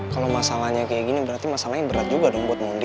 kalau masalahnya kayak gini berarti masalahnya berat juga dong buat mondi